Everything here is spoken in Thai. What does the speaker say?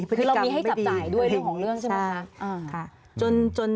คือเรามีให้จับจ่ายด้วยเรื่องของเรื่องใช่ไหมคะ